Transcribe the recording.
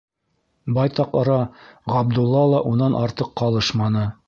Байтаҡ ара Ғабдулла ла унан артыҡ ҡалышманы.